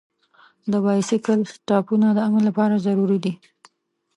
د بایسکل سټاپونه د امن لپاره ضروري دي.